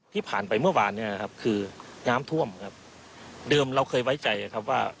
ผ่านไปเมื่อวานเนี่ยนะครับคือน้ำท่วมครับเดิมเราเคยไว้ใจครับว่า